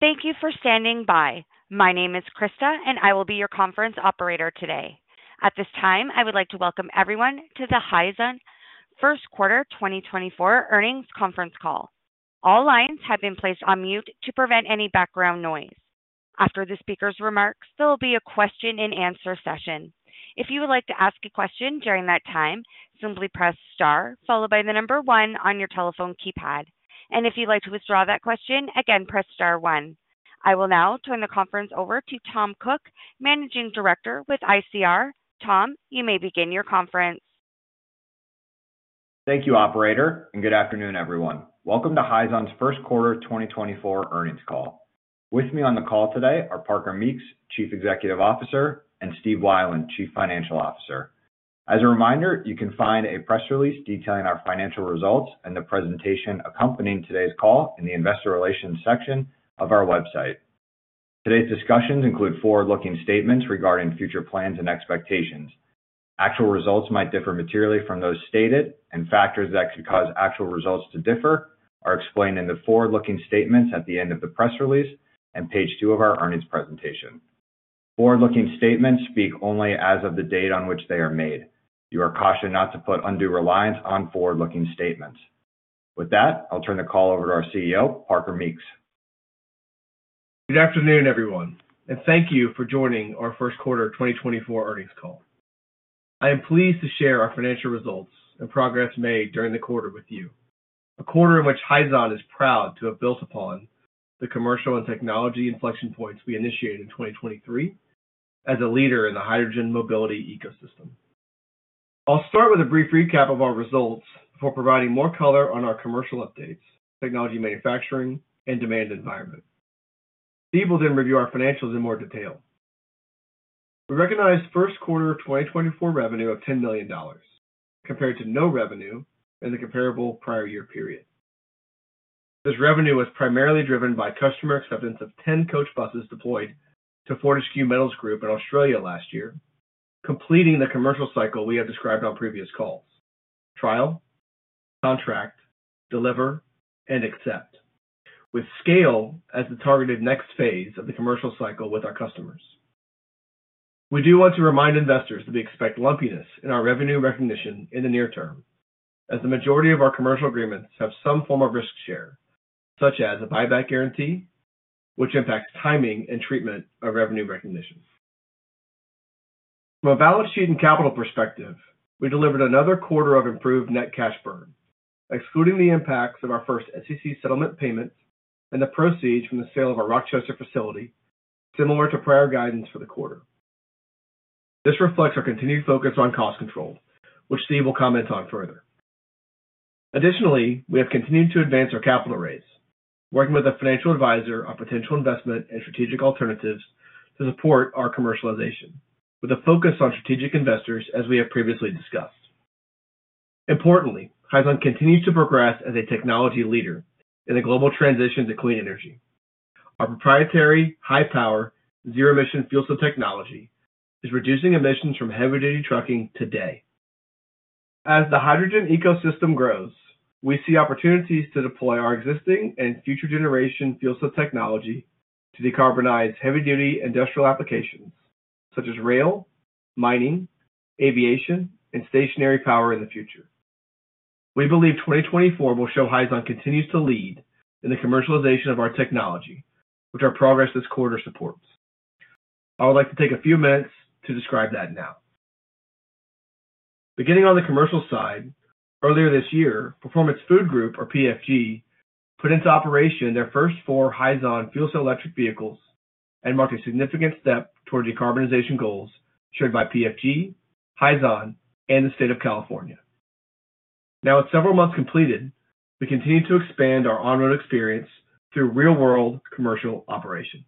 Thank you for standing by. My name is Krista, and I will be your conference operator today. At this time, I would like to welcome everyone to the Hyzon Q1 2024 earnings conference call. All lines have been placed on mute to prevent any background noise. After the speaker's remarks, there will be a question and answer session. If you would like to ask a question during that time, simply press star followed by the number one on your telephone keypad. If you'd like to withdraw that question, again, press star one. I will now turn the conference over to Tom Cook, Managing Director with ICR. Tom, you may begin your conference. Thank you, operator, and good afternoon, everyone. Welcome to Hyzon's Q1 2024 earnings call. With me on the call today are Parker Meeks, Chief Executive Officer, and Steve Weiland, Chief Financial Officer. As a reminder, you can find a press release detailing our financial results and the presentation accompanying today's call in the Investor Relations section of our website. Today's discussions include forward-looking statements regarding future plans and expectations. Actual results might differ materially from those stated, and factors that could cause actual results to differ are explained in the forward-looking statements at the end of the press release and page two of our earnings presentation. Forward-looking statements speak only as of the date on which they are made. You are cautioned not to put undue reliance on forward-looking statements. With that, I'll turn the call over to our CEO, Parker Meeks. Good afternoon, everyone, and thank you for joining our Q1 2024 earnings call. I am pleased to share our financial results and progress made during the with you. A quarter in which Hyzon is proud to have built upon the commercial and technology inflection points we initiated in 2023 as a leader in the hydrogen mobility ecosystem. I'll start with a brief recap of our results before providing more color on our commercial updates, technology, manufacturing, and demand environment. Steve will then review our financials in more detail. We recognized Q1 of 2024 revenue of $10 million, compared to no revenue in the comparable prior year period. This revenue was primarily driven by customer acceptance of 10 coach buses deployed to Fortescue Metals Group in Australia last year, completing the commercial cycle we have described on previous calls: trial, contract, deliver, and accept. With scale as the targeted next phase of the commercial cycle with our customers. We do want to remind investors that we expect lumpiness in our revenue recognition in the near term, as the majority of our commercial agreements have some form of risk share, such as a buyback guarantee, which impacts timing and treatment of revenue recognition. From a balance sheet and capital perspective, we delivered another quarter of improved net cash burn, excluding the impacts of our first SEC settlement payments and the proceeds from the sale of our Rochester facility, similar to prior guidance for the quarter. This reflects our continued focus on cost control, which Steve will comment on further. Additionally, we have continued to advance our capital raise, working with a financial advisor on potential investment and strategic alternatives to support our commercialization, with a focus on strategic investors, as we have previously discussed. Importantly, Hyzon continues to progress as a technology leader in a global transition to clean energy. Our proprietary high-power, zero-emission fuel cell technology is reducing emissions from heavy-duty trucking today. As the hydrogen ecosystem grows, we see opportunities to deploy our existing and future generation fuel cell technology to decarbonize heavy-duty industrial applications such as rail, mining, aviation, and stationary power in the future. We believe 2024 will show Hyzon continues to lead in the commercialization of our technology, which our progress this quarter supports. I would like to take a few minutes to describe that now. Beginning on the commercial side, earlier this year, Performance Food Group, or PFG, put into operation their first four Hyzon fuel cell electric vehicles and marked a significant step toward decarbonization goals shared by PFG, Hyzon, and the state of California. Now, with several months completed, we continue to expand our on-road experience through real-world commercial operations.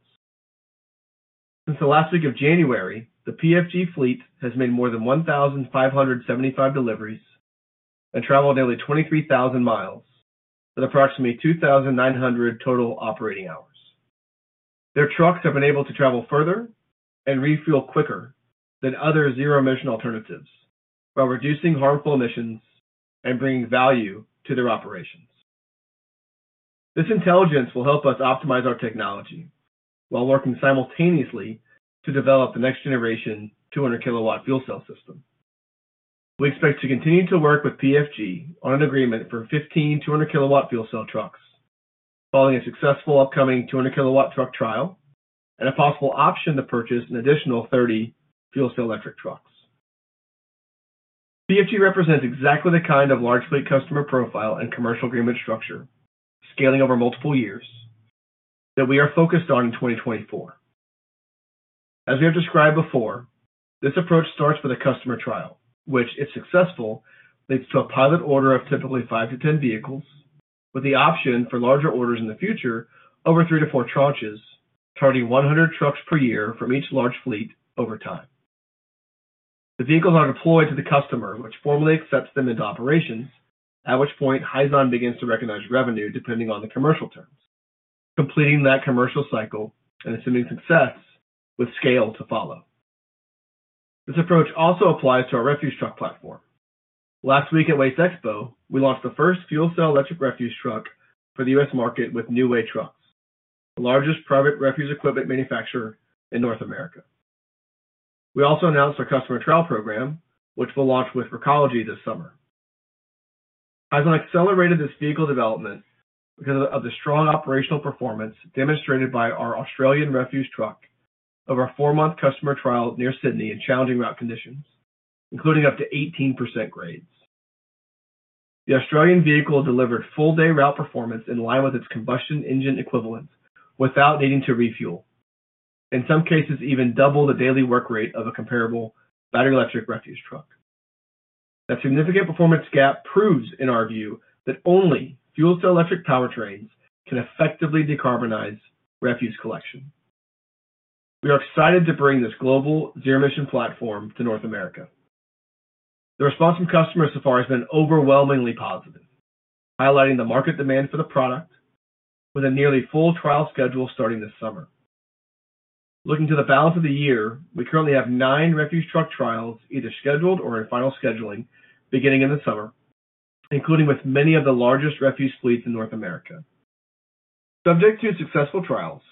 Since the last week of January, the PFG fleet has made more than 1,575 deliveries and traveled nearly 23,000 miles at approximately 2,900 total operating hours. Their trucks have been able to travel further and refuel quicker than other zero-emission alternatives while reducing harmful emissions and bringing value to their operations. This intelligence will help us optimize our technology while working simultaneously to develop the next generation 200 kW fuel cell system. We expect to continue to work with PFG on an agreement for 15 200 kW fuel cell trucks, following a successful upcoming 200 kW truck trial and a possible option to purchase an additional 30 fuel cell electric trucks. PFG represents exactly the kind of large fleet customer profile and commercial agreement structure, scaling over multiple years, that we are focused on in 2024. As we have described before, this approach starts with a customer trial, which, if successful, leads to a pilot order of typically five to 10 vehicles, with the option for larger orders in the future over three to four tranches, targeting 100 trucks per year from each large fleet over time. The vehicles are deployed to the customer, which formally accepts them into operations, at which point Hyzon begins to recognize revenue depending on the commercial terms, completing that commercial cycle and assuming success with scale to follow. This approach also applies to our refuse truck platform. Last week at WasteExpo, we launched the first fuel cell electric refuse truck for the U.S. market with New Way Trucks, the largest private refuse equipment manufacturer in North America. We also announced our customer trial program, which will launch with Recology this summer. Hyzon accelerated this vehicle development because of the strong operational performance demonstrated by our Australian refuse truck over a four-month customer trial near Sydney in challenging route conditions, including up to 18% grades. The Australian vehicle delivered full-day route performance in line with its combustion engine equivalents without needing to refuel. In some cases, even double the daily work rate of a comparable battery electric refuse truck. That significant performance gap proves, in our view, that only fuel cell electric powertrains can effectively decarbonize refuse collection. We are excited to bring this global zero-emission platform to North America. The response from customers so far has been overwhelmingly positive, highlighting the market demand for the product with a nearly full trial schedule starting this summer. Looking to the balance of the year, we currently have nine refuse truck trials, either scheduled or in final scheduling, beginning in the summer, including with many of the largest refuse fleets in North America. Subject to successful trials,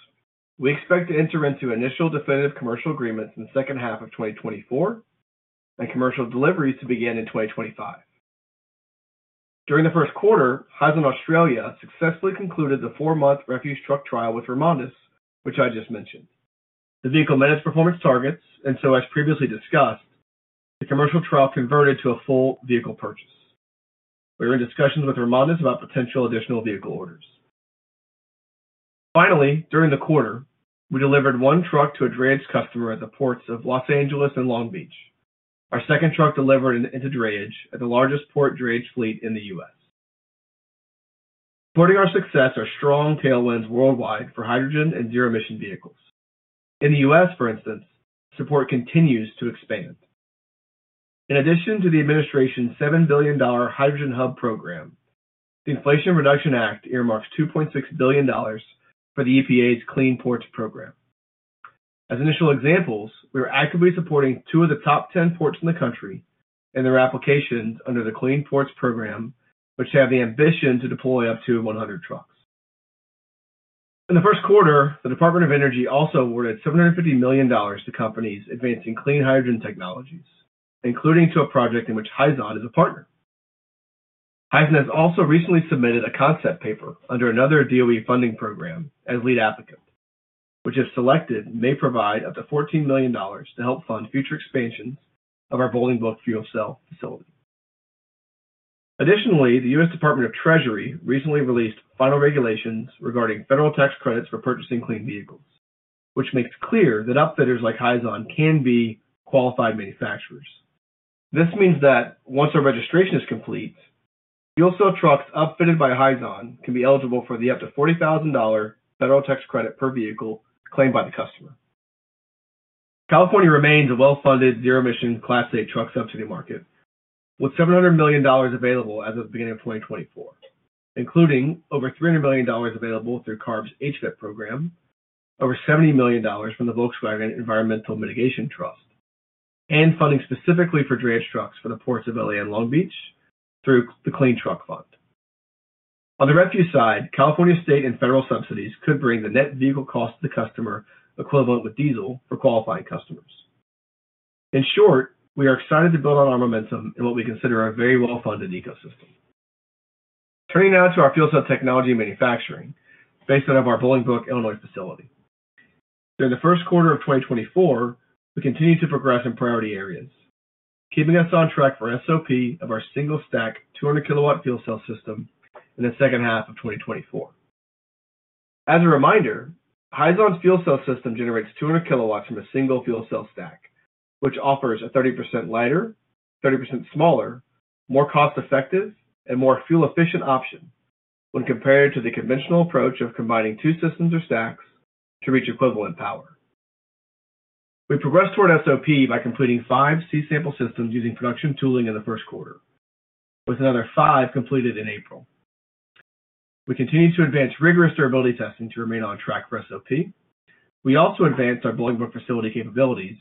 we expect to enter into initial definitive commercial agreements in the second half of 2024, and commercial deliveries to begin in 2025. During the Q1, Hyzon Australia successfully concluded the four-month refuse truck trial with REMONDIS, which I just mentioned. The vehicle met its performance targets, and so, as previously discussed, the commercial trial converted to a full vehicle purchase. We are in discussions with REMONDIS about potential additional vehicle orders. Finally, during the quarter, we delivered one truck to a drayage customer at the ports of Los Angeles and Long Beach. Our second truck delivered into drayage at the largest port drayage fleet in the U.S. supporting our success are strong tailwinds worldwide for hydrogen and zero-emission vehicles. In the U.S., for instance, support continues to expand. In addition to the administration's $7 billion Hydrogen Hub Program, the Inflation Reduction Act earmarks $2.6 billion for the EPA's Clean Ports Program. As initial examples, we are actively supporting two of the top 10 ports in the country in their applications under the Clean Ports Program, which have the ambition to deploy up to 100 trucks. In the Q1, the Department of Energy also awarded $750 million to companies advancing clean hydrogen technologies, including to a project in which Hyzon is a partner. Hyzon has also recently submitted a concept paper under another DOE funding program as lead applicant, which, if selected, may provide up to $14 million to help fund future expansions of our Bolingbrook fuel cell facility. Additionally, the U.S. Department of the Treasury recently released final regulations regarding federal tax credits for purchasing clean vehicles, which makes clear that upfitters like Hyzon can be qualified manufacturers. This means that once our registration is complete, fuel cell trucks upfitted by Hyzon can be eligible for up to $40,000 federal tax credit per vehicle claimed by the customer. California remains a well-funded zero-emission Class eight truck subsidy market, with $700 million available as of the beginning of 2024, including over $300 million available through CARB's HVIP program, over $70 million from the Volkswagen Environmental Mitigation Trust, and funding specifically for drayage trucks for the ports of L.A. and Long Beach through the Clean Truck Fund. On the refuse side, California state and federal subsidies could bring the net vehicle cost to the customer equivalent with diesel for qualifying customers. In short, we are excited to build on our momentum in what we consider a very well-funded ecosystem. Turning now to our fuel cell technology and manufacturing, based out of our Bolingbrook, Illinois, facility. During the Q1 of 2024, we continued to progress in priority areas, keeping us on track for SOP of our single stack 200 kW fuel cell system in the second half of 2024. As a reminder, Hyzon's fuel cell system generates 200 kW from a single fuel cell stack, which offers a 30% lighter, 30% smaller, more cost-effective, and more fuel-efficient option when compared to the conventional approach of combining two systems or stacks to reach equivalent power. We progressed toward SOP by completing five C-sample systems using production tooling in the Q1, with another five completed in April. We continued to advance rigorous durability testing to remain on track for SOP. We also advanced our Bolingbrook facility capabilities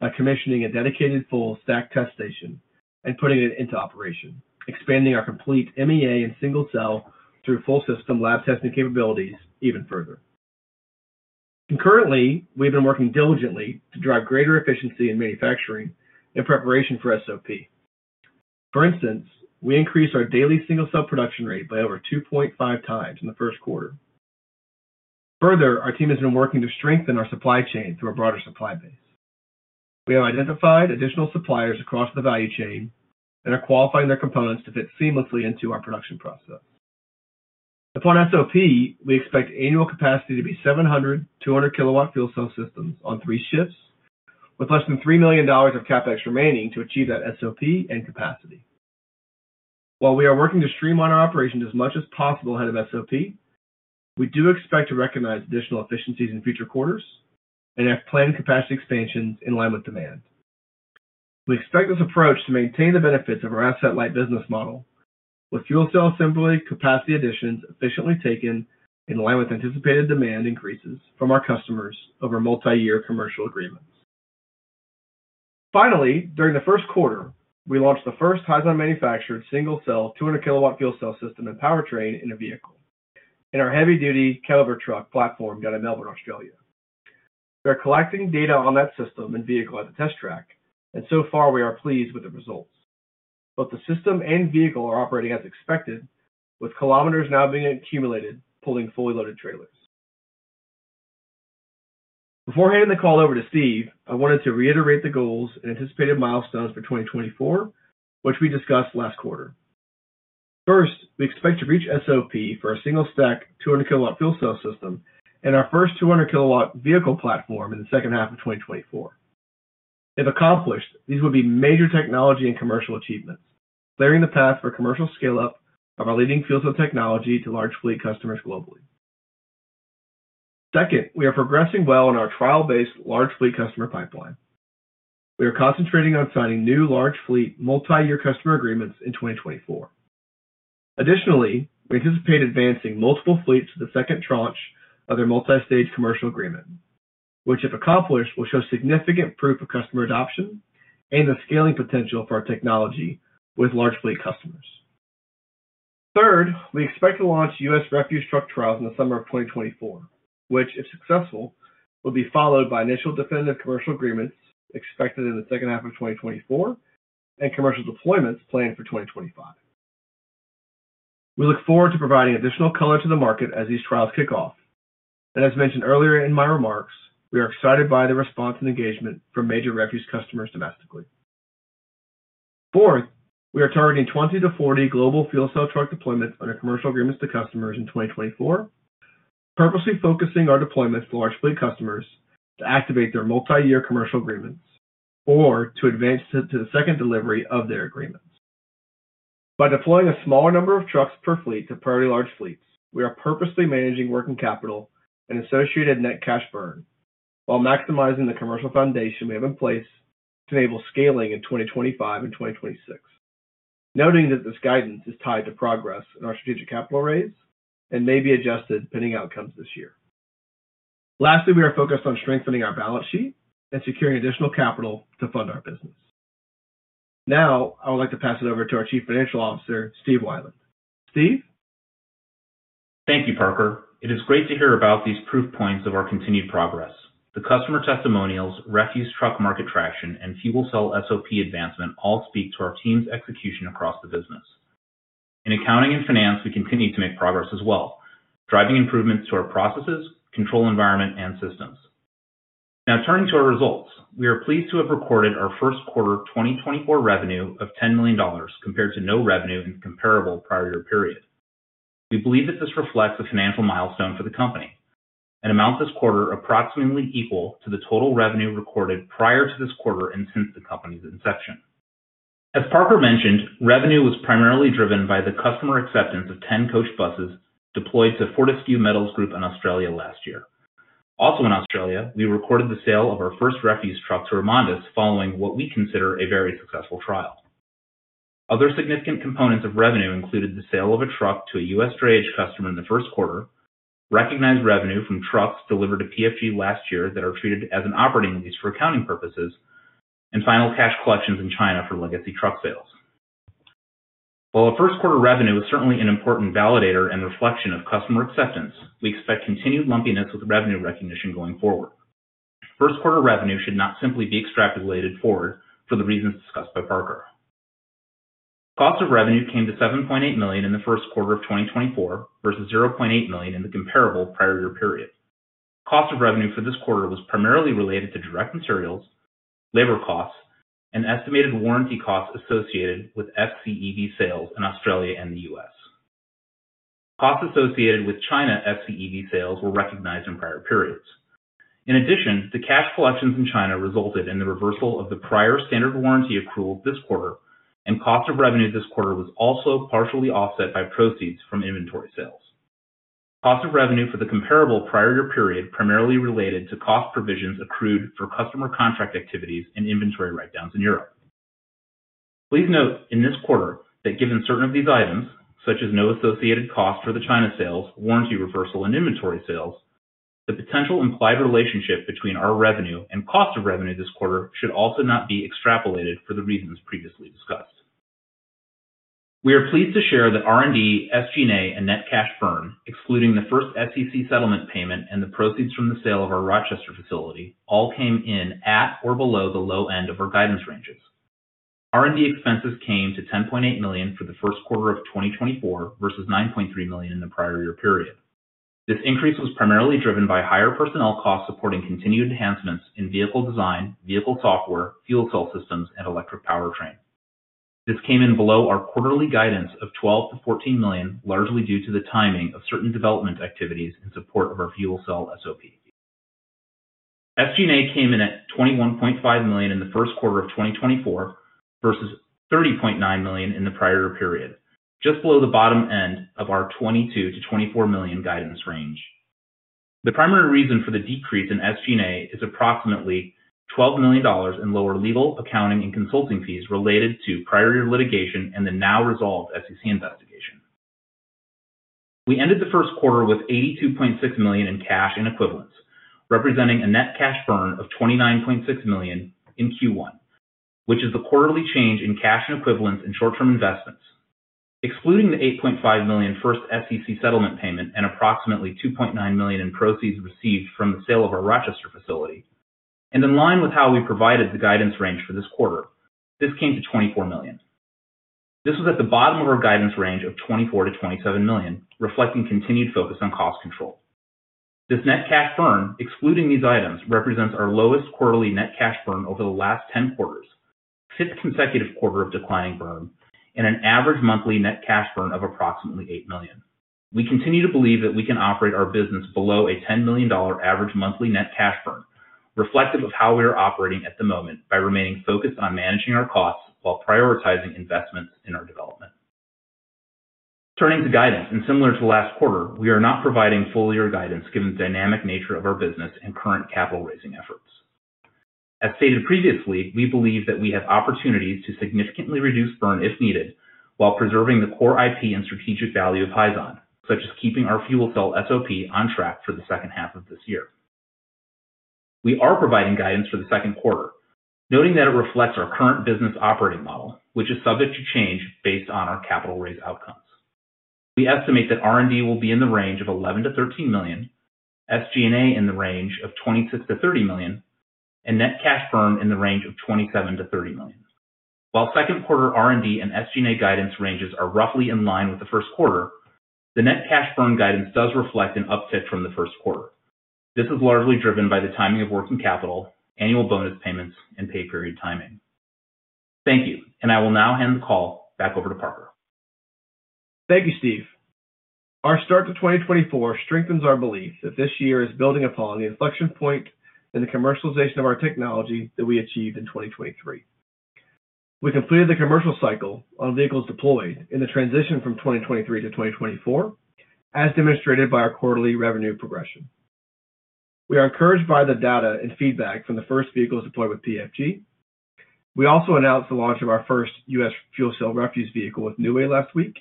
by commissioning a dedicated full stack test station and putting it into operation, expanding our complete MEA and single cell through full system lab testing capabilities even further. Concurrently, we've been working diligently to drive greater efficiency in manufacturing in preparation for SOP. For instance, we increased our daily single cell production rate by over 2.5x in the Q1. Further, our team has been working to strengthen our supply chain through a broader supply base. We have identified additional suppliers across the value chain and are qualifying their components to fit seamlessly into our production process. Upon SOP, we expect annual capacity to be 700 200 kW fuel cell systems on three shifts, with less than $3 million of CapEx remaining to achieve that SOP and capacity. While we are working to streamline our operations as much as possible ahead of SOP, we do expect to recognize additional efficiencies in future quarters and have planned capacity expansions in line with demand. We expect this approach to maintain the benefits of our asset-light business model with fuel cell assembly capacity additions efficiently taken in line with anticipated demand increases from our customers over multi-year commercial agreements. Finally, during the Q1, we launched the first Hyzon-manufactured single stack 200 kW fuel cell system and powertrain in a vehicle, in our heavy-duty Cabover truck platform down in Melbourne, Australia. We are collecting data on that system and vehicle at the test track, and so far, we are pleased with the results. Both the system and vehicle are operating as expected, with kilometers now being accumulated, pulling fully loaded trailers. Before handing the call over to Steve, I wanted to reiterate the goals and anticipated milestones for 2024, which we discussed last quarter. First, we expect to reach SOP for a single stack 200kW fuel cell system, and our first 200 kW vehicle platform in the second half of 2024. If accomplished, these would be major technology and commercial achievements, clearing the path for commercial scale-up of our leading fuel cell technology to large fleet customers globally. Second, we are progressing well in our trial-based large fleet customer pipeline. We are concentrating on signing new large fleet multi-year customer agreements in 2024. Additionally, we anticipate advancing multiple fleets to the second tranche of their multi-stage commercial agreement, which, if accomplished, will show significant proof of customer adoption and the scaling potential for our technology with large fleet customers. Third, we expect to launch US refuse truck trials in the summer of 2024, which, if successful, will be followed by initial definitive commercial agreements expected in the second half of 2024, and commercial deployments planned for 2025. We look forward to providing additional color to the market as these trials kick off. As mentioned earlier in my remarks, we are excited by the response and engagement from major refuse customers domestically. Fourth, we are targeting 20-40 global fuel cell truck deployments under commercial agreements to customers in 2024, purposely focusing our deployments to large fleet customers to activate their multi-year commercial agreements or to advance to the second delivery of their agreements. By deploying a smaller number of trucks per fleet to priority large fleets, we are purposely managing working capital and associated net cash burn, while maximizing the commercial foundation we have in place to enable scaling in 2025 and 2026, noting that this guidance is tied to progress in our strategic capital raise and may be adjusted pending outcomes this year. Lastly, we are focused on strengthening our balance sheet and securing additional capital to fund our business. Now, I would like to pass it over to our Chief Financial Officer, Steve Weiland. Steve? Thank you, Parker. It is great to hear about these proof points of our continued progress. The customer testimonials, refuse truck market traction, and fuel cell SOP advancement all speak to our team's execution across the business. In accounting and finance, we continue to make progress as well, driving improvements to our processes, control environment, and systems. Now, turning to our results, we are pleased to have recorded our Q1 2024 revenue of $10 million, compared to no revenue in comparable prior year period. We believe that this reflects a financial milestone for the company and amounts this quarter approximately equal to the total revenue recorded prior to this quarter and since the company's inception. As Parker mentioned, revenue was primarily driven by the customer acceptance of 10 coach buses deployed to Fortescue Metals Group in Australia last year. Also, in Australia, we recorded the sale of our first refuse truck to REMONDIS, following what we consider a very successful trial. Other significant components of revenue included the sale of a truck to a U.S. drayage customer in the Q1, recognized revenue from trucks delivered to PFG last year that are treated as an operating lease for accounting purposes, and final cash collections in China for legacy truck sales. While our Q1 revenue is certainly an important validator and reflection of customer acceptance, we expect continued lumpiness with revenue recognition going forward. Q1 revenue should not simply be extrapolated forward for the reasons discussed by Parker. Cost of revenue came to $7.8 million in the Q1 of 2024, versus $0.8 million in the comparable prior year period. Cost of revenue for this quarter was primarily related to direct materials, labor costs, and estimated warranty costs associated with FCEV sales in Australia and the U.S. Costs associated with China FCEV sales were recognized in prior periods. In addition, the cash collections in China resulted in the reversal of the prior standard warranty accrual this quarter, and cost of revenue this quarter was also partially offset by proceeds from inventory sales. Cost of revenue for the comparable prior year period primarily related to cost provisions accrued for customer contract activities and inventory write-downs in Europe. Please note, in this quarter, that given certain of these items, such as no associated costs for the China sales, warranty reversal, and inventory sales, the potential implied relationship between our revenue and cost of revenue this quarter should also not be extrapolated for the reasons previously discussed. We are pleased to share that R&D, SG&A, and net cash burn, excluding the first SEC settlement payment and the proceeds from the sale of our Rochester facility, all came in at or below the low end of our guidance ranges. R&D expenses came to $10.8 million for the Q1 of 2024 versus $9.3 million in the prior year period. This increase was primarily driven by higher personnel costs supporting continued enhancements in vehicle design, vehicle software, fuel cell systems, and electric powertrain. This came in below our quarterly guidance of $12 million to $14 million, largely due to the timing of certain development activities in support of our fuel cell SOP. SG&A came in at $21.5 million in the Q1 of 2024 versus $30.9 million in the prior period, just below the bottom end of our $22 million-$24 million guidance range. The primary reason for the decrease in SG&A is approximately $12 million in lower legal, accounting, and consulting fees related to prior year litigation and the now resolved SEC investigation. We ended the Q1 with $82.6 million in cash and equivalents, representing a net cash burn of $29.6 million in Q1, which is the quarterly change in cash and equivalents in short-term investments. Excluding the $8.5 million first SEC settlement payment and approximately $2.9 million in proceeds received from the sale of our Rochester facility, and in line with how we provided the guidance range for this quarter, this came to $24 million. This was at the bottom of our guidance range of $24 million to $27 million, reflecting continued focus on cost control. This net cash burn, excluding these items, represents our lowest quarterly net cash burn over the last 10 quarters, fifth consecutive quarter of declining burn, and an average monthly net cash burn of approximately $8 million. We continue to believe that we can operate our business below a $10 million average monthly net cash burn, reflective of how we are operating at the moment by remaining focused on managing our costs while prioritizing investments in our development. Turning to guidance, and similar to last quarter, we are not providing full year guidance given the dynamic nature of our business and current capital raising efforts. As stated previously, we believe that we have opportunities to significantly reduce burn if needed, while preserving the core IP and strategic value of Hyzon, such as keeping our fuel cell SOP on track for the second half of this year. We are providing guidance for the Q2, noting that it reflects our current business operating model, which is subject to change based on our capital raise outcomes. We estimate that R&D will be in the range of $11 million to $13 million, SG&A in the range of $26 million to $30 million, and net cash burn in the range of $27 million to $30 million. While Q2 R&D and SG&A guidance ranges are roughly in line with the Q1, the net cash burn guidance does reflect an uptick from the Q1. This is largely driven by the timing of working capital, annual bonus payments, and pay period timing. Thank you, and I will now hand the call back over to Parker. Thank you, Steve. Our start to 2024 strengthens our belief that this year is building upon the inflection point and the commercialization of our technology that we achieved in 2023. We completed the commercial cycle on vehicles deployed in the transition from 2023 to 2024, as demonstrated by our quarterly revenue progression. We are encouraged by the data and feedback from the first vehicles deployed with PFG. We also announced the launch of our first US fuel cell refuse vehicle with New Way last week,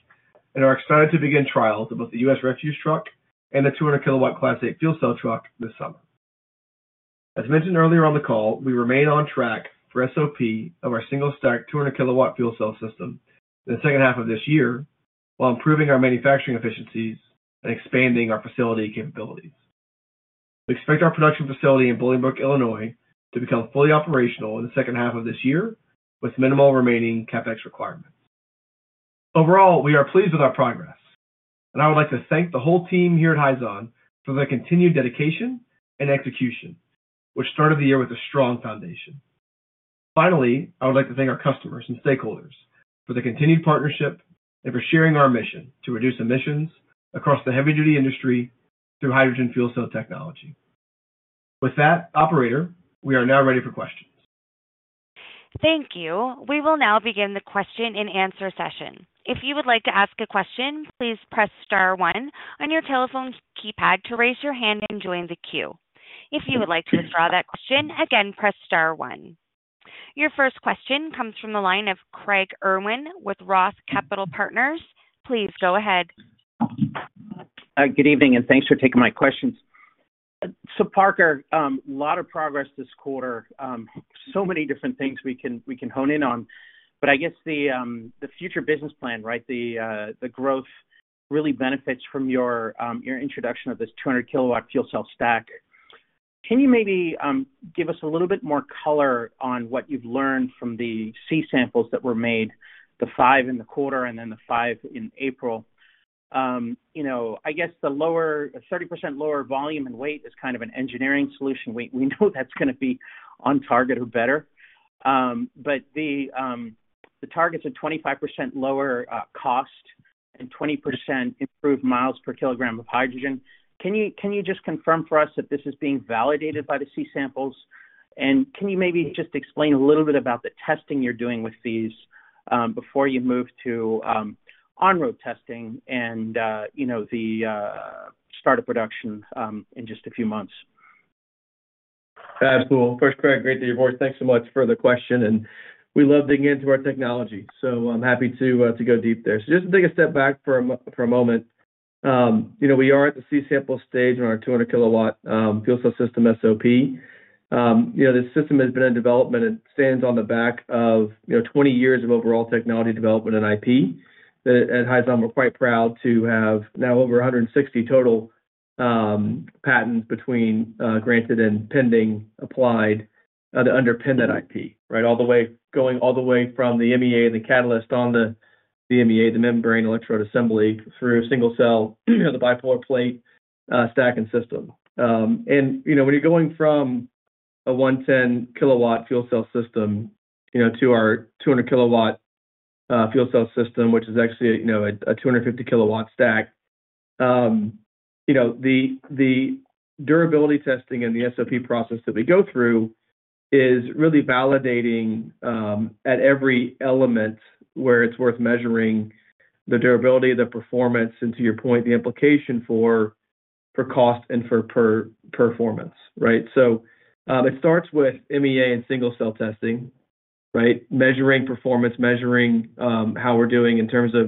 and are excited to begin trials of both the US refuse truck and the 200 kW Class 8 fuel cell truck this summer. As mentioned earlier on the call, we remain on track for SOP of our single stack, 200 kW fuel cell system in the second half of this year, while improving our manufacturing efficiencies and expanding our facility capabilities. We expect our production facility in Bolingbrook, Illinois, to become fully operational in the second half of this year with minimal remaining CapEx requirements. Overall, we are pleased with our progress, and I would like to thank the whole team here at Hyzon for their continued dedication and execution, which started the year with a strong foundation. Finally, I would like to thank our customers and stakeholders for their continued partnership and for sharing our mission to reduce emissions across the heavy-duty industry through hydrogen fuel cell technology. With that, operator, we are now ready for questions. Thank you. We will now begin the question and answer session. If you would like to ask a question, please press star one on your telephone keypad to raise your hand and join the queue. If you would like to withdraw that question, again, press star one. Your first question comes from the line of Craig Irwin with Roth Capital Partners. Please go ahead. Good evening, and thanks for taking my questions. So Parker, a lot of progress this quarter. So many different things we can hone in on, but I guess the future business plan, right? The growth really benefits from your introduction of this 200 kW fuel cell stack. Can you maybe give us a little bit more color on what you've learned from the C-Samples that were made, the five in the quarter and then the five in April? You know, I guess the lower a 30% lower volume and weight is kind of an engineering solution. We know that's gonna be on target or better. But the targets are 25% lower cost and 20% improved miles per kilogram of hydrogen. Can you, can you just confirm for us that this is being validated by the C-Samples? And can you maybe just explain a little bit about the testing you're doing with these, before you move to, on-road testing and, you know, the, start of production, in just a few months? Absolutely. First, Craig, great to hear your voice. Thanks so much for the question, and we love digging into our technology, so I'm happy to go deep there. So just to take a step back for a moment, you know, we are at the C sample stage on our 200 kW fuel cell system, SOP. You know, this system has been in development and stands on the back of 20 years of overall technology development and IP. At Hyzon, we're quite proud to have now over 160 total patents between granted and pending applied to underpin that IP, right? All the way, going all the way from the MEA and the catalyst on the MEA, the membrane electrode assembly, through single cell, the bipolar plate, stack and system. And, you know, when you're going from a 110 kW fuel cell system, you know, to our 200 kW fuel cell system, which is actually a, you know, a 250 kW stack, you know, the durability testing and the SOP process that we go through is really validating at every element where it's worth measuring the durability, the performance, and to your point, the implication for cost and for performance, right? So, it starts with MEA and single-cell testing, right? Measuring performance, measuring how we're doing in terms of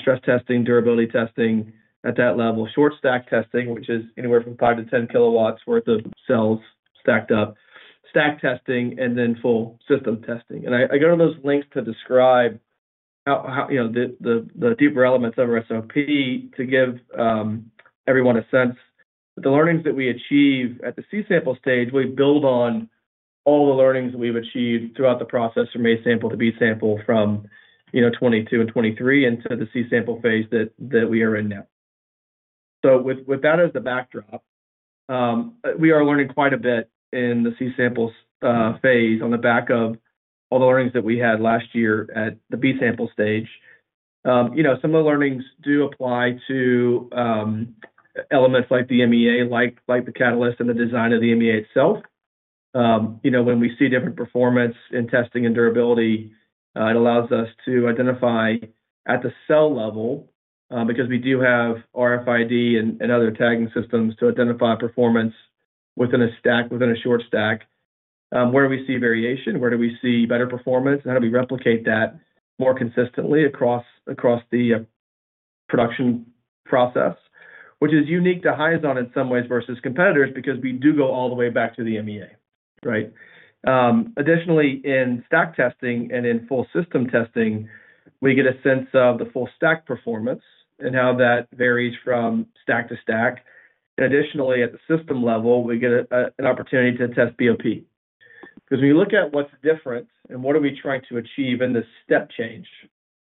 stress testing, durability testing at that level. Short stack testing, which is anywhere from 5 kW to 10 kW worth of cells stacked up, stack testing, and then full system testing. And I go to those links to describe how you know the deeper elements of our SOP to give everyone a sense. But the learnings that we achieve at the C sample stage, we build on all the learnings we've achieved throughout the process from A sample to B sample, you know, 2022 and 2023 into the C sample phase that we are in now. So with that as the backdrop, we are learning quite a bit in the C samples phase, on the back of all the learnings that we had last year at the B sample stage. You know, some of the learnings do apply to elements like the MEA, like the catalyst and the design of the MEA itself. You know, when we see different performance in testing and durability, it allows us to identify at the cell level, because we do have RFID and other tagging systems to identify performance within a stack, within a short stack. Where do we see variation? Where do we see better performance, and how do we replicate that more consistently across the production process? Which is unique to Hyzon in some ways versus competitors, because we do go all the way back to the MEA, right? Additionally, in stack testing and in full system testing, we get a sense of the full stack performance and how that varies from stack to stack. Additionally, at the system level, we get an opportunity to test BOP. 'Cause we look at what's different and what are we trying to achieve in this step change,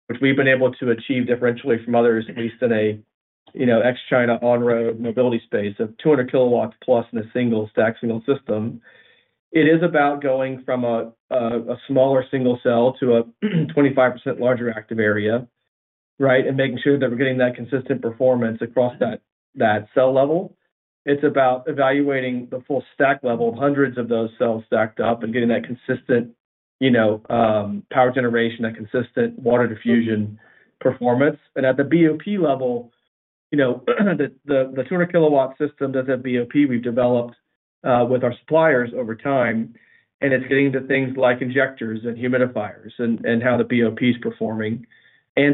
which we've been able to achieve differentially from others, at least in a, you know, ex-China on-road mobility space of 200 kW+ in a single stack, single system. It is about going from a smaller single cell to a 25% larger active area, right? And making sure that we're getting that consistent performance across that cell level. It's about evaluating the full stack level, hundreds of those cells stacked up and getting that consistent, you know, power generation, that consistent water diffusion performance. And at the BOP level, you know, the 200 kW system that's at BOP, we've developed with our suppliers over time, and it's getting to things like injectors and humidifiers and how the BOP is performing.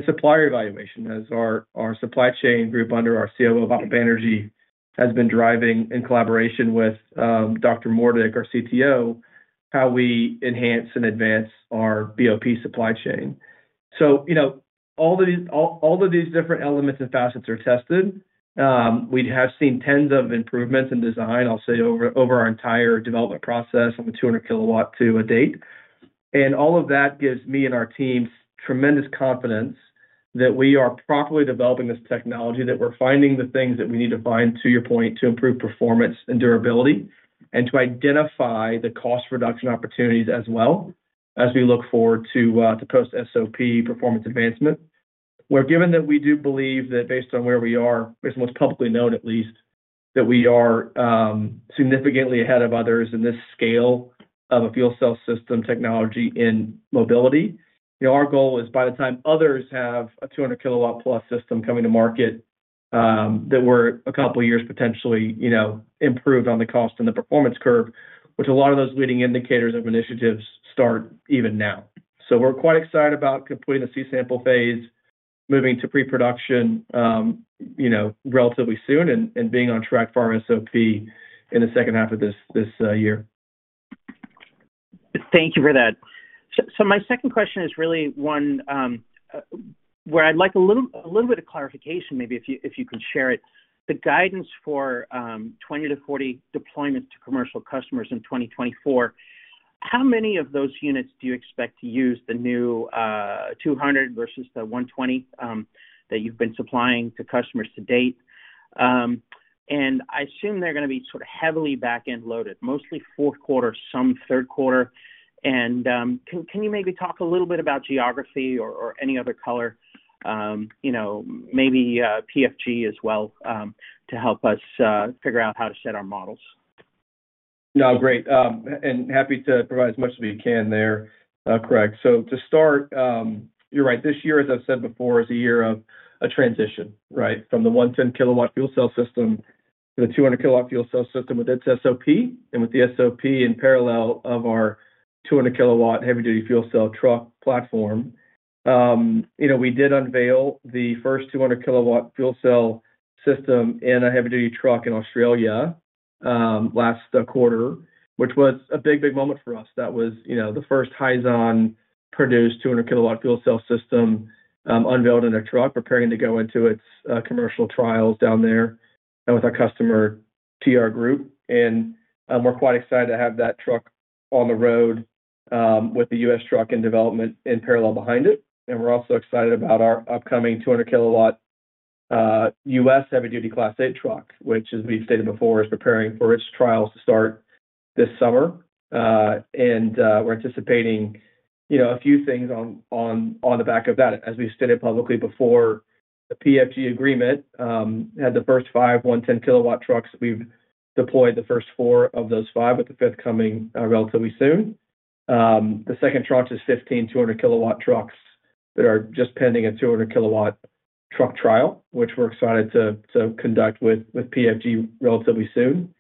Supplier evaluation, as our supply chain group, under our COO of Energy, has been driving in collaboration with Dr. Mohrdieck, our CTO, how we enhance and advance our BOP supply chain. So, you know, all of these, all, all of these different elements and facets are tested. We have seen tens of improvements in design, I'll say, over our entire development process on the 200 kW to date. And all of that gives me and our teams tremendous confidence that we are properly developing this technology, that we're finding the things that we need to find, to your point, to improve performance and durability, and to identify the cost reduction opportunities as well as we look forward to the post-SOP performance advancement. Whereas given that we do believe that based on where we are, it's most publicly known at least, that we are significantly ahead of others in this scale of a fuel cell system technology in mobility. Our goal is, by the time others have a 200 kW+ system coming to market, that we're a couple of years potentially, you know, improved on the cost and the performance curve, which a lot of those leading indicators of initiatives start even now. So we're quite excited about completing the C-Sample phase, moving to pre-production, you know, relatively soon and, and being on track for our SOP in the second half of this year. Thank you for that. So my second question is really one where I'd like a little bit of clarification, maybe if you can share it. The guidance for 20-40 deployments to commercial customers in 2024, how many of those units do you expect to use the new 200 versus the 150 that you've been supplying to customers to date? And I assume they're gonna be sort of heavily back-end loaded, mostly Q4, some Q3. And can you maybe talk a little bit about geography or any other color, you know, maybe PFG as well, to help us figure out how to set our models? No, great, and happy to provide as much as we can there. Correct. So to start, you're right, this year, as I've said before, is a year of a transition, right? From the 110 kW fuel cell system to the 200 kW fuel cell system with its SOP, and with the SOP in parallel of our 200 kW heavy-duty fuel cell truck platform. You know, we did unveil the first 200 kW fuel cell system in a heavy-duty truck in Australia, last quarter, which was a big, big moment for us. That was, you know, the first Hyzon-produced 200 kW fuel cell system, unveiled in a truck, preparing to go into its commercial trials down there and with our customer, TR Group. We're quite excited to have that truck on the road, with the US truck in development in parallel behind it. We're also excited about our upcoming 200 kW U.S. heavy-duty Class 8 truck, which, as we've stated before, is preparing for its trials to start this summer. And we're anticipating, you know, a few things on the back of that. As we've stated publicly before, the PFG agreement had the first five 110 kW trucks. We've deployed the first four of those five, with the fifth coming relatively soon. The second tranche is 15,200 kW trucks that are just pending a 200 kW truck trial, which we're excited to conduct with PFG relatively soon.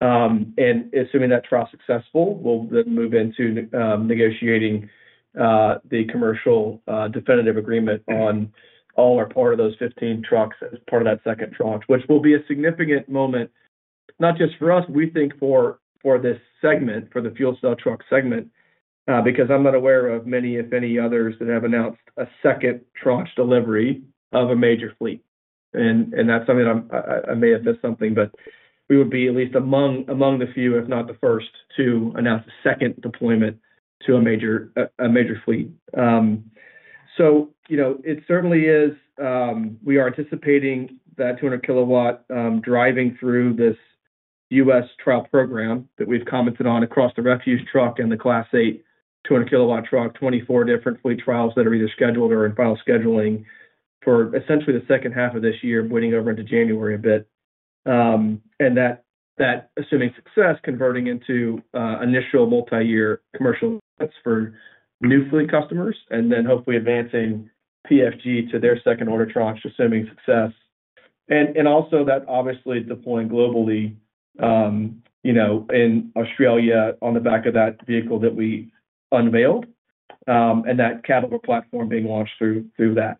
And assuming that trial is successful, we'll then move into negotiating the commercial definitive agreement on all or part of those 15 trucks as part of that second tranche, which will be a significant moment, not just for us, we think, for this segment, for the fuel cell truck segment. Because I'm not aware of many, if any, others that have announced a second tranche delivery of a major fleet. And that's something I may have missed something, but we would be at least among the few, if not the first, to announce a second deployment to a major fleet. So you know, it certainly is, we are anticipating that 200 kW, driving through this U.S. trial program that we've commented on across the refuse truck and the Class eight, 200 kW truck, 24 different fleet trials that are either scheduled or in final scheduling for essentially the second half of this year, bleeding over into January a bit. And that, that assuming success, converting into initial multi-year commercial bets for new fleet customers, and then hopefully advancing PFG to their second order tranche, assuming success. And also that obviously deploying globally, you know, in Australia on the back of that vehicle that we unveiled, and that Caterpillar platform being launched through that.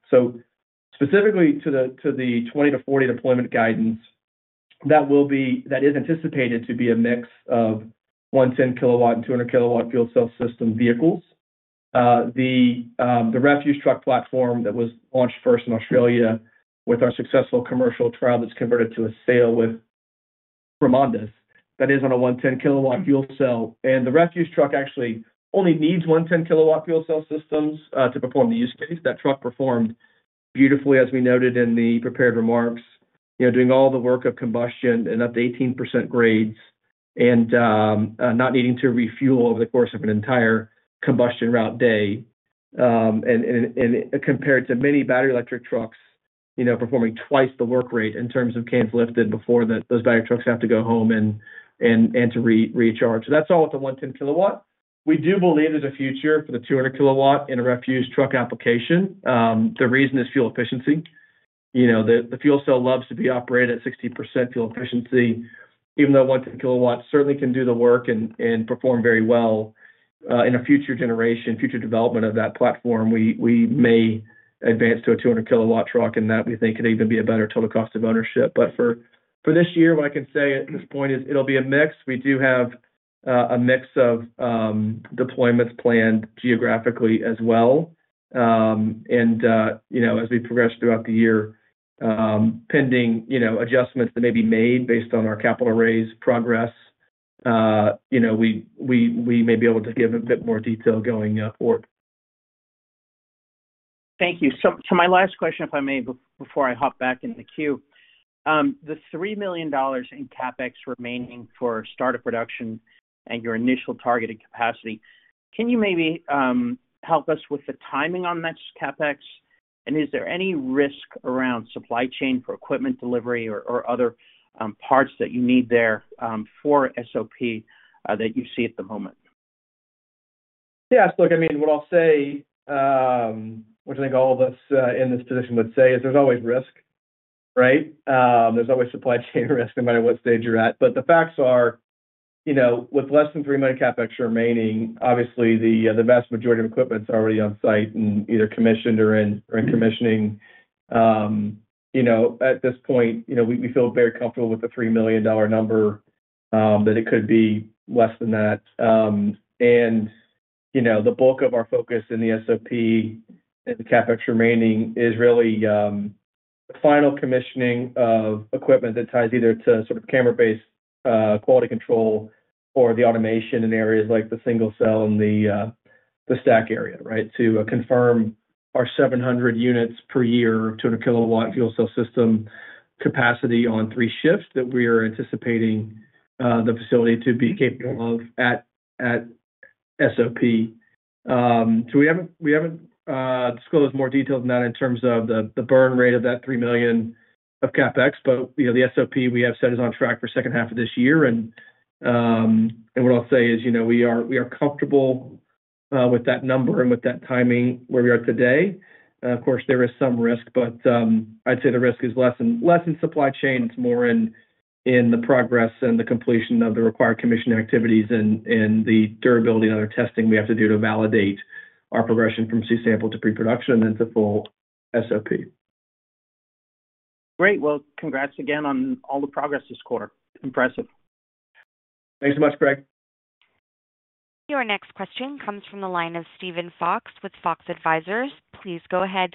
So specifically to the 20 to 40 deployment guidance, that will be, that is anticipated to be a mix of 110 kW and 200 kW fuel cell system vehicles. The refuse truck platform that was launched first in Australia with our successful commercial trial, that's converted to a sale with REMONDIS, that is on a 110 kW fuel cell. And the refuse truck actually only needs 110 kW fuel cell systems to perform the use case. That truck performed beautifully, as we noted in the prepared remarks. You know, doing all the work of collection and up to 18% grades and not needing to refuel over the course of an entire collection route day. Compared to many battery electric trucks, you know, performing twice the work rate in terms of cans lifted before those battery trucks have to go home and to recharge. So that's all with the 110 kW. We do believe there's a future for the 200 kW in a refuse truck application. The reason is fuel efficiency. You know, the fuel cell loves to be operated at 60% fuel efficiency, even though 110 kW certainly can do the work and perform very well. In a future generation, future development of that platform, we may advance to a 200 kW truck, and that we think could even be a better total cost of ownership. But for this year, what I can say at this point is it'll be a mix. We do have a mix of deployments planned geographically as well. You know, as we progress throughout the year, pending you know, adjustments that may be made based on our capital raise progress, you know, we may be able to give a bit more detail going forward. Thank you. So, my last question, if I may, before I hop back in the queue. The $3 million in CapEx remaining for start of production and your initial targeted capacity, can you maybe help us with the timing on that CapEx? And is there any risk around supply chain for equipment delivery or other parts that you need there for SOP that you see at the moment? Yes, look, I mean, what I'll say, which I think all of us in this position would say, is there's always risk, right? There's always supply chain risk no matter what stage you're at. But the facts are, you know, with less than $3 million CapEx remaining, obviously, the vast majority of equipment's already on site and either commissioned or in commissioning. You know, at this point, you know, we feel very comfortable with the $3 million number, that it could be less than that. And, you know, the bulk of our focus in the SOP and the CapEx remaining is really final commissioning of equipment that ties either to sort of camera-based quality control or the automation in areas like the single cell and the stack area, right? To confirm our 700 units per year, 200 kW fuel cell system capacity on three shifts that we are anticipating the facility to be capable of at SOP. So we haven't disclosed more detail than that in terms of the burn rate of that $3 million of CapEx, but, you know, the SOP we have said is on track for second half of this year. And what I'll say is, you know, we are comfortable with that number and with that timing where we are today. Of course, there is some risk, but I'd say the risk is less in supply chain. It's more in the progress and the completion of the required commissioning activities and the durability and other testing we have to do to validate our progression from C-Sample to pre-production and then to full SOP. Great. Well, congrats again on all the progress this quarter. Impressive. Thanks so much, Greg. Your next question comes from the line of Steven Fox with Fox Advisors. Please go ahead.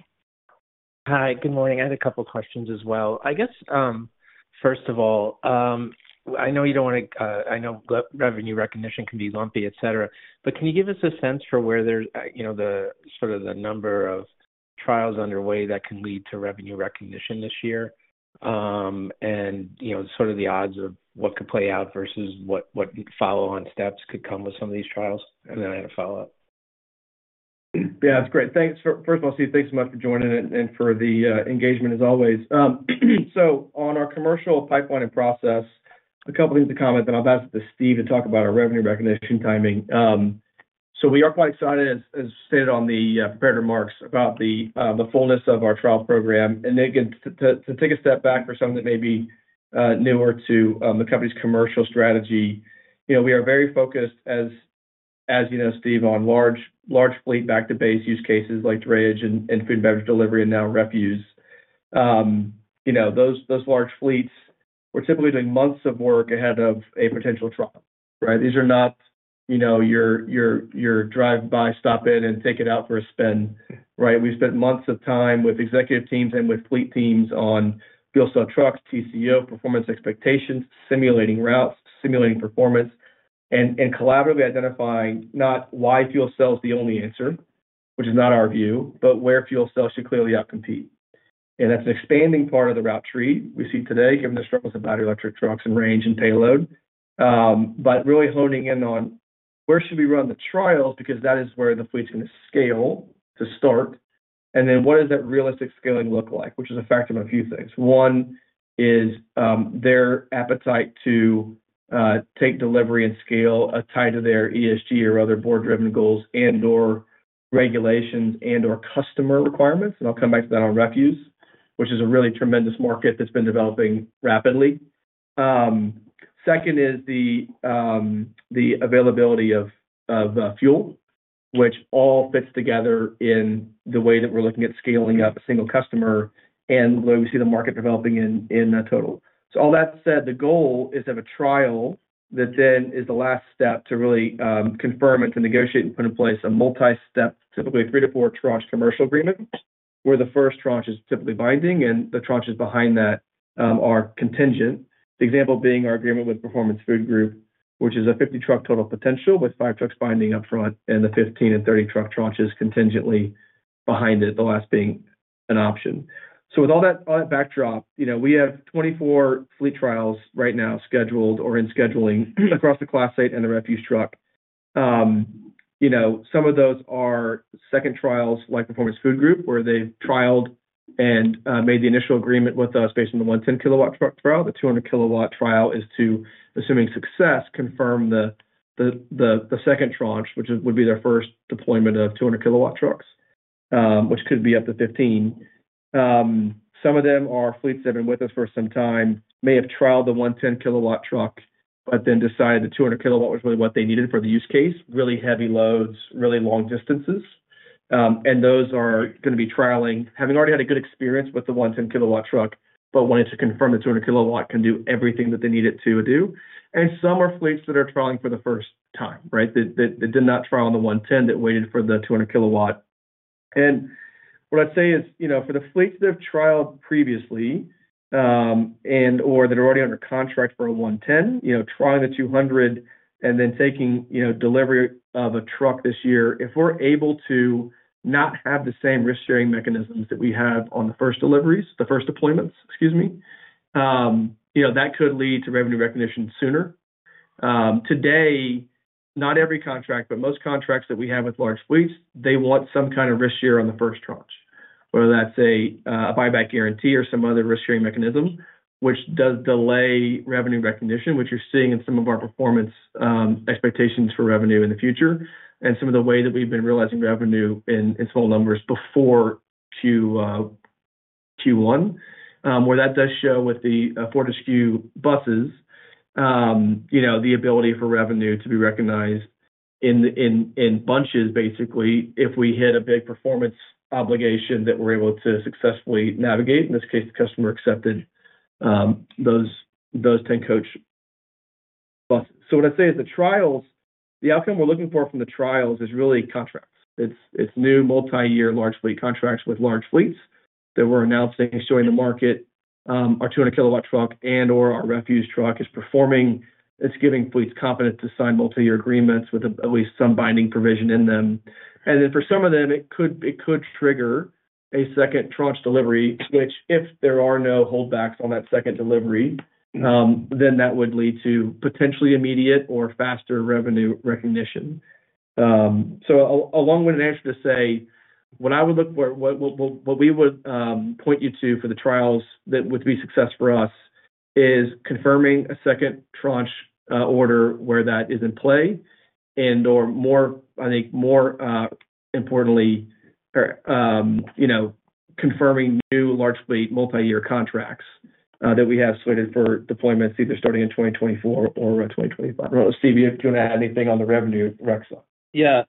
Hi, good morning. I had a couple questions as well. I guess, first of all, I know you don't wanna, I know revenue recognition can be lumpy, et cetera, but can you give us a sense for where there's, you know, the sort of the number of trials underway that can lead to revenue recognition this year? And, you know, sort of the odds of what could play out versus what, what follow-on steps could come with some of these trials. And then I had a follow-up. Yeah, that's great. Thanks. First of all, Steve, thanks so much for joining and for the engagement as always. So on our commercial pipeline and process, a couple things to comment, then I'll pass it to Steve to talk about our revenue recognition timing. So we are quite excited, as stated on the prepared remarks about the fullness of our trial program. And then again, to take a step back for some that may be newer to the company's commercial strategy. You know, we are very focused, as you know, Steve, on large fleet back-to-base use cases like drayage and food and beverage delivery, and now refuse. You know, those large fleets, we're typically doing months of work ahead of a potential trial, right? These are not, you know, your, your, your drive-by, stop in and take it out for a spin, right? We've spent months of time with executive teams and with fleet teams on fuel cell trucks, TCO, performance expectations, simulating routes, simulating performance, and collaboratively identifying not why fuel cell is the only answer, which is not our view, but where fuel cells should clearly outcompete. And that's an expanding part of the route tree we see today, given the struggles of battery electric trucks and range and payload. But really honing in on where should we run the trials? Because that is where the fleet's gonna scale to start. And then what does that realistic scaling look like? Which is a factor of a few things. One is, their appetite to, take delivery and scale, tied to their ESG or other board-driven goals and/or regulations and/or customer requirements, and I'll come back to that on refuse, which is a really tremendous market that's been developing rapidly. Second is the availability of fuel, which all fits together in the way that we're looking at scaling up a single customer, and the way we see the market developing in total. So all that said, the goal is to have a trial that then is the last step to really, confirm and to negotiate and put in place a multi-step, typically a three to four tranche commercial agreement, where the first tranche is typically binding and the tranches behind that, are contingent. The example being our agreement with Performance Food Group, which is a 50 truck total potential, with five trucks binding upfront and the 15 and 30 truck tranches contingently behind it, the last being an option. So with all that, all that backdrop, you know, we have 24 fleet trials right now scheduled or in scheduling across the Class 8 and the refuse truck. You know, some of those are second trials, like Performance Food Group, where they've trialed and made the initial agreement with us based on the 110 kW truck trial. The 200 kW trial is to, assuming success, confirm the second tranche, which would be their first deployment of 200 Kw trucks, which could be up to 15. Some of them are fleets that have been with us for some time, may have trialed the 110 kW truck, but then decided the 200 kW was really what they needed for the use case. Really heavy loads, really long distances. And those are gonna be trialing. Having already had a good experience with the 110 kW truck, but wanting to confirm the 200 kW can do everything that they need it to do. And some are fleets that are trialing for the first time, right? That they did not trial on the 110 kW, that waited for the 200 kW. And what I'd say is, you know, for the fleets that have trialed previously, and/or that are already under contract for a 110 kW, you know, trying the 200 kW and then taking, you know, delivery of a truck this year, if we're able to not have the same risk-sharing mechanisms that we have on the first deliveries, the first deployments, excuse me, you know, that could lead to revenue recognition sooner. Today, not every contract, but most contracts that we have with large fleets, they want some kind of risk share on the first tranche. Whether that's a, a buyback guarantee or some other risk-sharing mechanism, which does delay revenue recognition, which you're seeing in some of our performance, expectations for revenue in the future, and some of the way that we've been realizing revenue in small numbers before Q1. Where that does show with the Fortescue buses, you know, the ability for revenue to be recognized in bunches, basically, if we hit a big performance obligation that we're able to successfully navigate. In this case, the customer accepted those 10 coach buses. So what I'd say is the trials, the outcome we're looking for from the trials is really contracts. It's new multi-year large fleet contracts with large fleets that we're announcing and showing the market our 200 kW truck and/or our refuse truck is performing. It's giving fleets confidence to sign multi-year agreements with at least some binding provision in them. And then for some of them, it could trigger a second tranche delivery, which, if there are no holdbacks on that second delivery, then that would lead to potentially immediate or faster revenue recognition. So a long-winded answer to say, what we would point you to for the trials that would be success for us, is confirming a second tranche order where that is in play, and/or more, I think, more importantly, you know, confirming new large fleet multi-year contracts that we have suited for deployments, either starting in 2024 or by 2025. I don't know, Steve, do you want to add anything on the revenue recs? Yeah.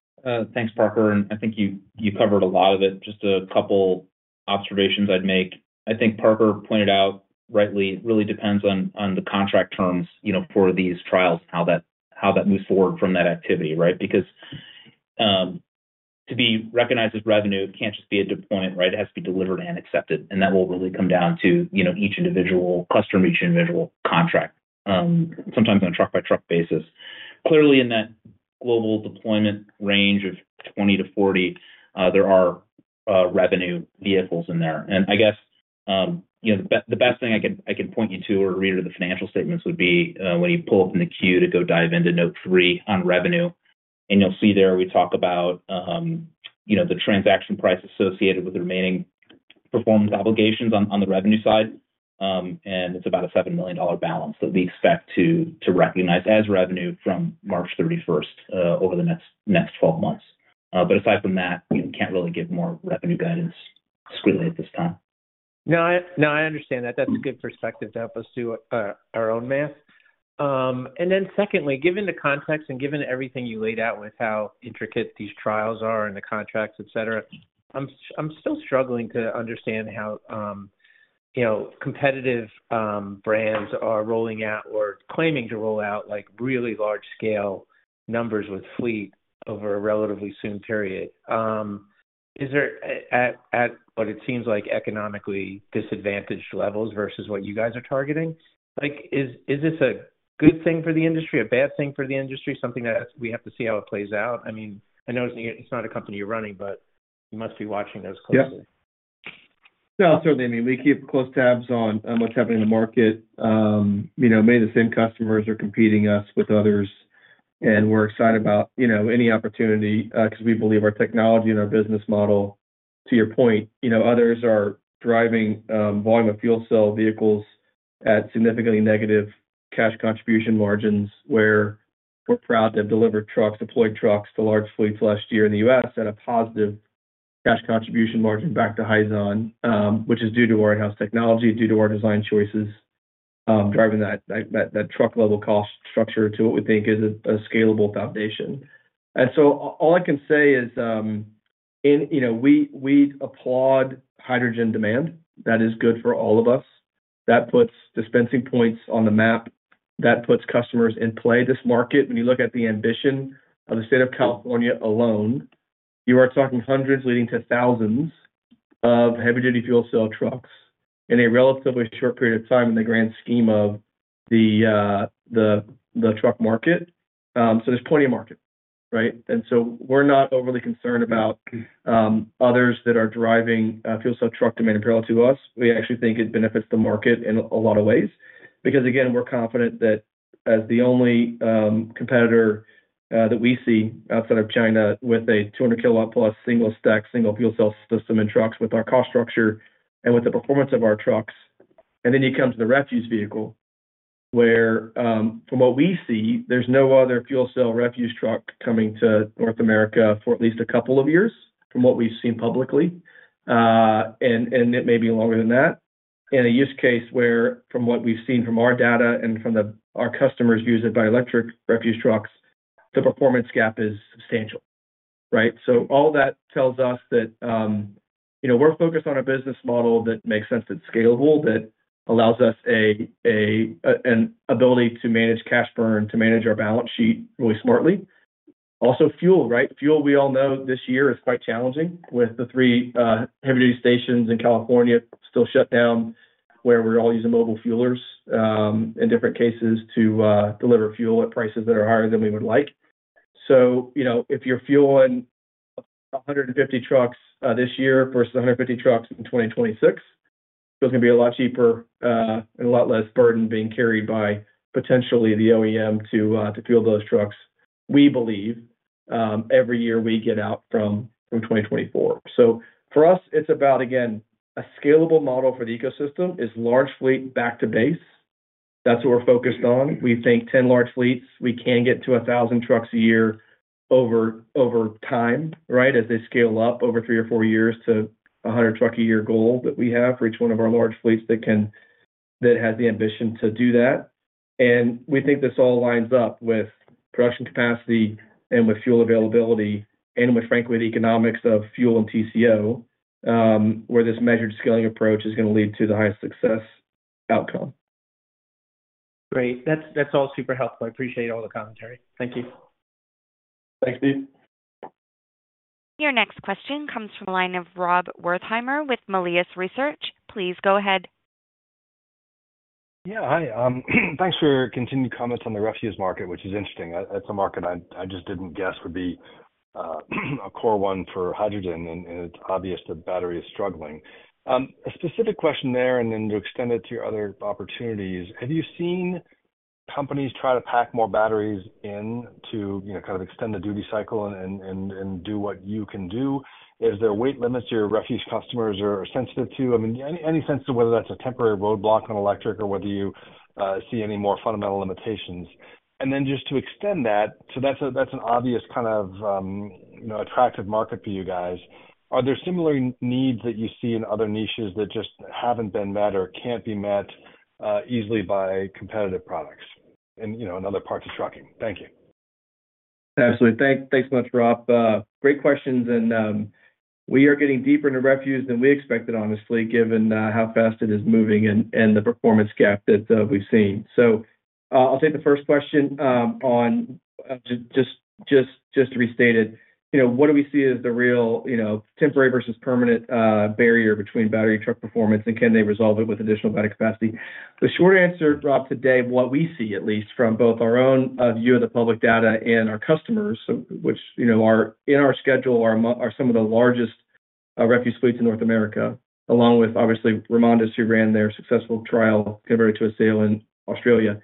Thanks, Parker, and I think you covered a lot of it. Just a couple observations I'd make. I think Parker pointed out rightly, it really depends on the contract terms, you know, for these trials, how that moves forward from that activity, right? Because to be recognized as revenue, it can't just be a deployment, right? It has to be delivered and accepted, and that will really come down to, you know, each individual customer, each individual contract, sometimes on a truck-by-truck basis. Clearly, in that global deployment range of 20 to 40, there are Revenue vehicles in there. And I guess, you know, the best thing I could, I could point you to or read into the financial statements would be, when you pull up in the queue to go dive into note three on revenue, and you'll see there, we talk about, you know, the transaction price associated with the remaining performance obligations on, on the revenue side. And it's about a $7 million balance that we expect to, to recognize as revenue from March 31st, over the next 12 months. But aside from that, we can't really give more revenue guidance squarely at this time. No, I understand that. That's a good perspective to help us do our own math. And then secondly, given the context and given everything you laid out with how intricate these trials are and the contracts, et cetera, I'm still struggling to understand how, you know, competitive brands are rolling out or claiming to roll out, like, really large scale numbers with fleet over a relatively soon period. Is there at what it seems like economically disadvantaged levels versus what you guys are targeting? Like, is this a good thing for the industry, a bad thing for the industry, something that we have to see how it plays out? I mean, I know it's not a company you're running, but you must be watching those closely. Yep. No, certainly. I mean, we keep close tabs on what's happening in the market. You know, many of the same customers are competing us with others, and we're excited about, you know, any opportunity, because we believe our technology and our business model. To your point, you know, others are driving volume of fuel cell vehicles at significantly negative cash contribution margins, where we're proud to have delivered trucks, deployed trucks to large fleets last year in the U.S. at a positive cash contribution margin back to Hyzon, which is due to our in-house technology, due to our design choices, driving that truck level cost structure to what we think is a scalable foundation. And so all I can say is, and, you know, we applaud hydrogen demand. That is good for all of us. That puts dispensing points on the map. That puts customers in play. This market, when you look at the ambition of the state of California alone, you are talking hundreds leading to thousands of heavy-duty fuel cell trucks in a relatively short period of time in the grand scheme of the truck market. So there's plenty of market, right? And so we're not overly concerned about others that are driving a fuel cell truck demand parallel to us. We actually think it benefits the market in a lot of ways, because, again, we're confident that as the only competitor that we see outside of China with a 200 kW+ single stack, single fuel cell system in trucks with our cost structure and with the performance of our trucks. Then you come to the refuse vehicle, where from what we see, there's no other fuel cell refuse truck coming to North America for at least a couple of years, from what we've seen publicly, and it may be longer than that. In a use case where from what we've seen from our data and from our customers' use of battery electric refuse trucks, the performance gap is substantial, right? So all that tells us that, you know, we're focused on a business model that makes sense, that's scalable, that allows us an ability to manage cash burn, to manage our balance sheet really smartly. Also, fuel, right? Fuel, we all know this year is quite challenging, with the three heavy-duty stations in California still shut down, where we're all using mobile fuelers in different cases to deliver fuel at prices that are higher than we would like. So, you know, if you're fueling 150 trucks this year versus 150 trucks in 2026, it's gonna be a lot cheaper and a lot less burden being carried by potentially the OEM to fuel those trucks, we believe, every year we get out from 2024. So for us, it's about, again, a scalable model for the ecosystem is large fleet back to base. That's what we're focused on. We think 10 large fleets, we can get to 1,000 trucks a year over time, right? As they scale up over three or four years to 100 trucks a year goal that we have for each one of our large fleets that has the ambition to do that. And we think this all lines up with production capacity and with fuel availability and with, frankly, the economics of fuel and TCO, where this measured scaling approach is gonna lead to the highest success outcome. Great. That's, that's all super helpful. I appreciate all the commentary. Thank you. Thanks, Steve. Your next question comes from the line of Rob Wertheimer with Melius Research. Please go ahead. Yeah. Hi, thanks for your continued comments on the refuse market, which is interesting. That's a market I just didn't guess would be a core one for hydrogen, and it's obvious the battery is struggling. A specific question there, and then to extend it to your other opportunities: Have you seen companies try to pack more batteries in to, you know, kind of extend the duty cycle and do what you can do? Is there weight limits your refuse customers are sensitive to? I mean, any sense to whether that's a temporary roadblock on electric or whether you see any more fundamental limitations? And then just to extend that, so that's an obvious kind of, you know, attractive market for you guys. Are there similar needs that you see in other niches that just haven't been met or can't be met easily by competitive products and, you know, in other parts of trucking? Thank you. Absolutely. Thanks so much, Rob. Great questions, and we are getting deeper into refuse than we expected, honestly, given how fast it is moving and the performance gap that we've seen. So, I'll take the first question on just to restate it, you know, what do we see as the real, you know, temporary versus permanent barrier between battery and truck performance, and can they resolve it with additional battery capacity? The short answer, Rob, today, what we see at least from both our own view of the public data and our customers, so which, you know, are in our schedule, are some of the largest refuse fleets in North America, along with obviously REMONDIS, who ran their successful trial, converted to a sale in Australia.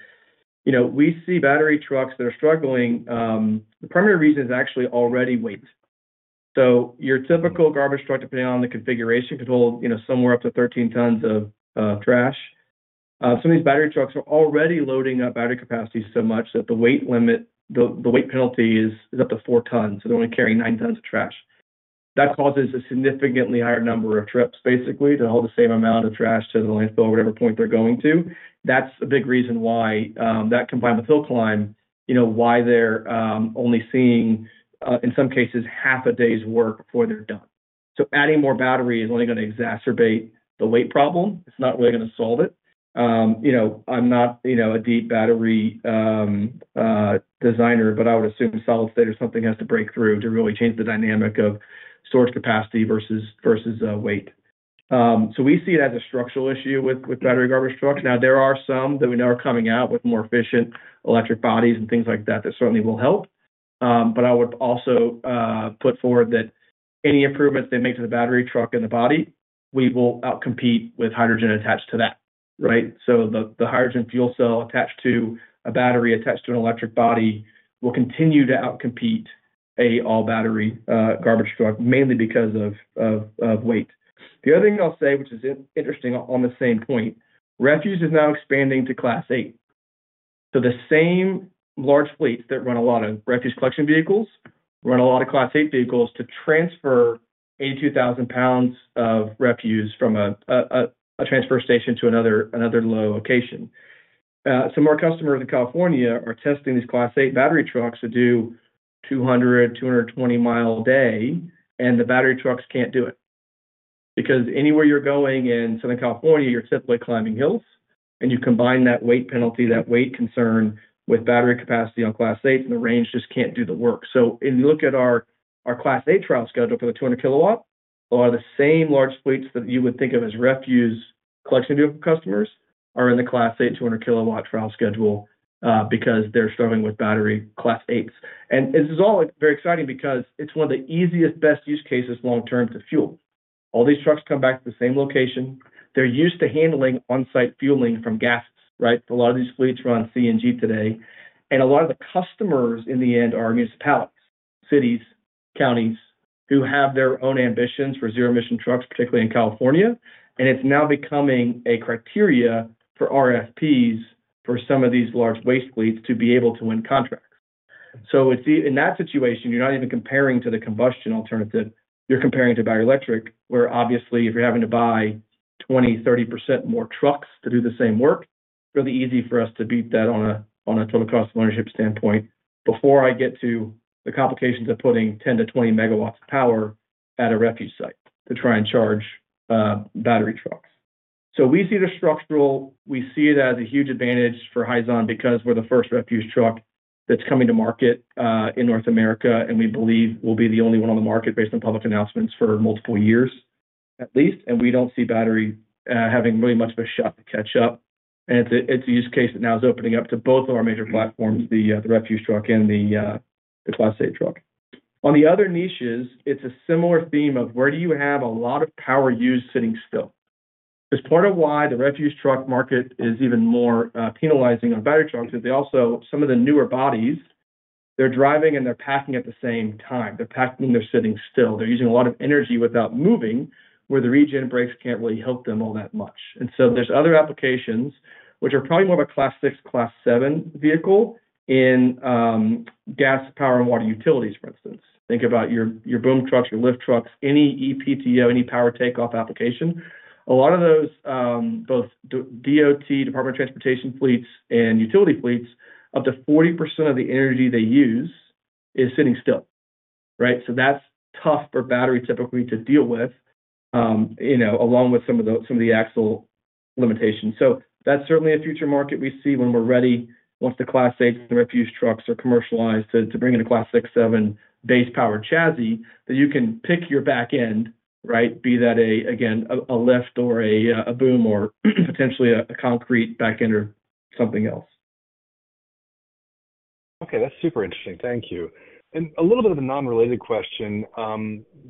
You know, we see battery trucks that are struggling. The primary reason is actually already weight. So your typical garbage truck, depending on the configuration, could hold, you know, somewhere up to 13 tons of trash. Some of these battery trucks are already loading up battery capacity so much that the weight limit, the, the weight penalty is, is up to four tons, so they're only carrying nine tons of trash. That causes a significantly higher number of trips, basically, to haul the same amount of trash to the landfill or whatever point they're going to. That's a big reason why, that combined with hill climb, you know, why they're only seeing, in some cases, half a day's work before they're done. So adding more battery is only gonna exacerbate the weight problem. It's not really gonna solve it. You know, I'm not, you know, a deep battery designer, but I would assume solid state or something has to break through to really change the dynamic of storage capacity versus weight. So we see it as a structural issue with battery garbage trucks. Now, there are some that we know are coming out with more efficient electric bodies and things like that, that certainly will help. But I would also put forward that any improvements they make to the battery truck and the body, we will outcompete with hydrogen attached to that, right? So the hydrogen fuel cell attached to a battery, attached to an electric body, will continue to outcompete a all-battery garbage truck, mainly because of weight. The other thing I'll say, which is interesting on the same point, refuse is now expanding to Class 8. So the same large fleets that run a lot of refuse collection vehicles run a lot of Class 8 vehicles to transfer 82,000 lbs of refuse from a transfer station to another low location. Some of our customers in California are testing these Class 8 battery trucks to do 200 mi and 220 mi a day, and the battery trucks can't do it. Because anywhere you're going in Southern California, you're typically climbing hills, and you combine that weight penalty, that weight concern with battery capacity on Class 8, and the range just can't do the work. So if you look at our, our Class 8 trial schedule for the 200 kW, are the same large fleets that you would think of as refuse collection vehicle customers, are in the Class 8 200 kW trial schedule, because they're struggling with battery Class 8s. This is all very exciting because it's one of the easiest, best use cases long-term to fuel. All these trucks come back to the same location. They're used to handling on-site fueling from gas, right? A lot of these fleets run CNG today, and a lot of the customers, in the end, are municipalities, cities, counties, who have their own ambitions for zero-emission trucks, particularly in California. It's now becoming a criteria for RFPs for some of these large waste fleets to be able to win contracts. So it's in that situation, you're not even comparing to the combustion alternative, you're comparing to battery electric, where obviously, if you're having to buy 20%-30% more trucks to do the same work, really easy for us to beat that on a total cost of ownership standpoint, before I get to the complications of putting 10-20 MW of power at a refuse site to try and charge battery trucks. So we see the structural. We see it as a huge advantage for Hyzon because we're the first refuse truck that's coming to market in North America, and we believe we'll be the only one on the market based on public announcements for multiple years, at least. And we don't see battery having really much of a shot to catch up. It's a use case that now is opening up to both of our major platforms, the refuse truck and the Class 8 truck. On the other niches, it's a similar theme of where do you have a lot of power used sitting still? It's part of why the refuse truck market is even more penalizing on battery trucks, is they also, some of the newer bodies, they're driving and they're packing at the same time. They're packing, they're sitting still. They're using a lot of energy without moving, where the regen brakes can't really help them all that much. And so there's other applications, which are probably more of a Class 6, Class 7 vehicle in gas, power, and water utilities, for instance. Think about your boom trucks, your lift trucks, any EPTO, any power takeoff application. A lot of those, both DOT, Department of Transportation fleets and utility fleets, up to 40% of the energy they use is sitting still, right? So that's tough for battery, typically, to deal with, you know, along with some of the, some of the axle limitations. So that's certainly a future market we see when we're ready, once the Class 8 refuse trucks are commercialized, to bring in a Class 6-7 base power chassis, that you can pick your back end, right? Be that a, again, a lift or a boom or potentially a concrete back end or something else. Okay, that's super interesting. Thank you. And a little bit of a non-related question,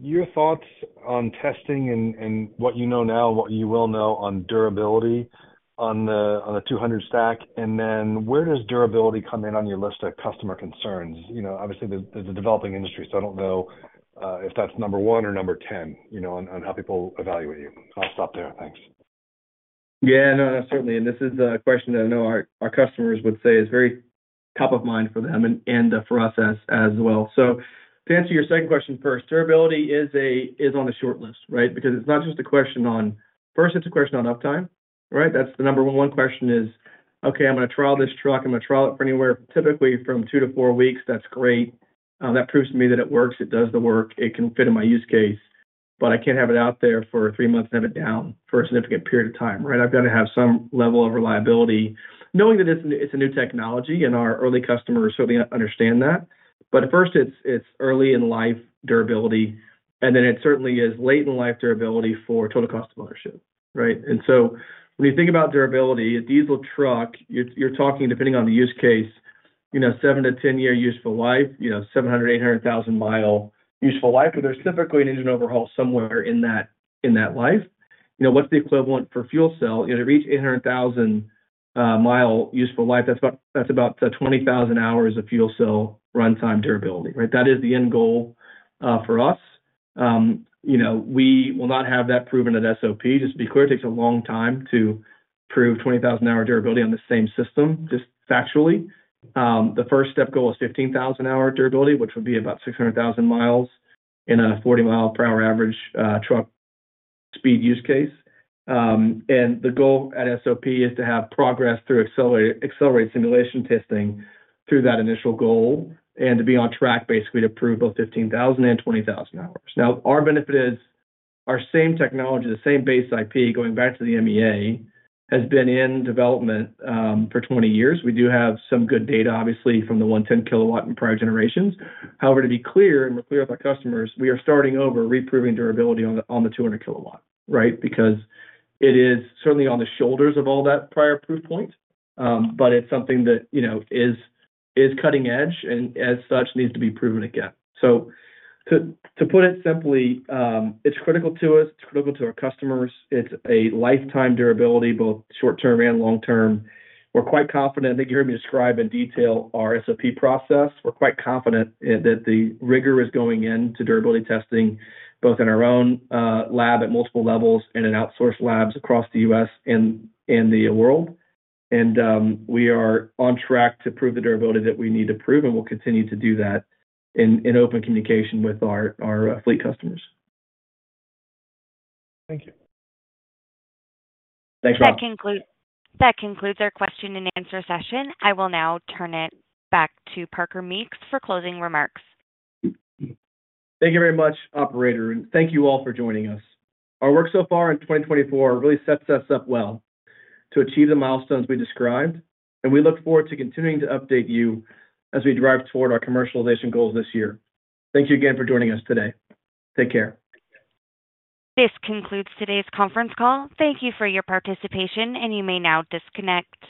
your thoughts on testing and what you know now, what you will know on durability on the, on the 200 kW stack, and then where does durability come in on your list of customer concerns? You know, obviously, this is a developing industry, so I don't know, if that's number one or number ten, you know, on, on how people evaluate you. I'll stop there. Thanks. Yeah, no, certainly. And this is a question that I know our, our customers would say is very top of mind for them and, and, for us as, as well. So to answer your second question first, durability is on the short list, right? Because it's not just a question on. First, it's a question on uptime, right? That's the number one question is, "Okay, I'm gonna trial this truck. I'm gonna trial it for anywhere, typically from two to four weeks. That's great. That proves to me that it works, it does the work, it can fit in my use case, but I can't have it out there for three months and have it down for a significant period of time, right? I've got to have some level of reliability, knowing that it's, it's a new technology, and our early customers certainly understand that. But first, it's early in life durability, and then it certainly is late in life durability for total cost of ownership, right? And so when you think about durability, a diesel truck, you're talking, depending on the use case, you know, seven to 10 year useful life, you know, 700,000 mile - 800,000 mile useful life, but there's typically an engine overhaul somewhere in that life. You know, what's the equivalent for fuel cell? You know, to reach 800,000 mile useful life, that's about 20,000 hours of fuel cell runtime durability, right? That is the end goal for us. You know, we will not have that proven at SOP. Just to be clear, it takes a long time to prove 20,000 hour durability on the same system, just factually. The first step goal is 15,000 hour durability, which would be about 600,000 miles in a 40-mile-per-hour average truck speed use case. And the goal at SOP is to have progress through accelerated simulation testing through that initial goal, and to be on track, basically, to prove both 15,000 and 20,000 hours. Now, our benefit is our same technology, the same base IP, going back to the MEA, has been in development for 20 years. We do have some good data, obviously, from the 110 kW in prior generations. However, to be clear, and we're clear with our customers, we are starting over reproving durability on the 200 kW, right? Because it is certainly on the shoulders of all that prior proof point, but it's something that, you know, is cutting edge and as such, needs to be proven again. So to put it simply, it's critical to us, it's critical to our customers. It's a lifetime durability, both short term and long term. We're quite confident. I think you heard me describe in detail our SOP process. We're quite confident in that the rigor is going into durability testing, both in our own lab at multiple levels and in outsourced labs across the U.S. and the world. And we are on track to prove the durability that we need to prove, and we'll continue to do that in open communication with our fleet customers. Thank you. Thanks, Rob. That concludes our question and answer session. I will now turn it back to Parker Meeks for closing remarks. Thank you very much, operator, and thank you all for joining us. Our work so far in 2024 really sets us up well to achieve the milestones we described, and we look forward to continuing to update you as we drive toward our commercialization goals this year. Thank you again for joining us today. Take care. This concludes today's conference call. Thank you for your participation, and you may now disconnect.